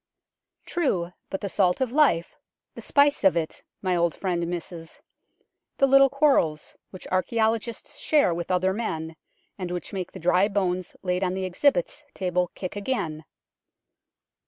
True, but the salt of life, the spice of it, my old friend misses the little quarrels which archaeologists share with other men, and which make the dry bones laid on the exhibits table kick again.